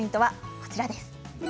こちらです。